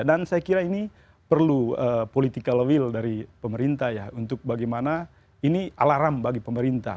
dan saya kira ini perlu political will dari pemerintah ya untuk bagaimana ini alarm bagi pemerintah